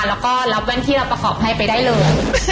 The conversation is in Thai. แล้วก็รับแว่นที่เราประกอบให้ไปได้เลย